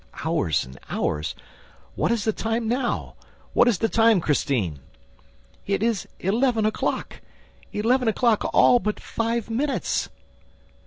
"Hours and hours? What is the time now? What is the time, Christine?" "It is eleven o'clock! Eleven o'clock, all but five minutes!"